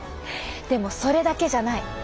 でもそれだけじゃない。